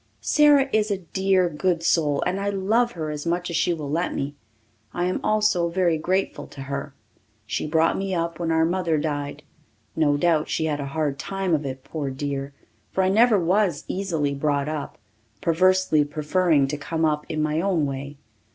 Sara is a dear good soul and I love her as much as she will let me. I am also very grateful to her. She brought me up when our mother died. No doubt she had a hard time of it, poor dear, for I never was easily brought up, perversely preferring to come up in my own way.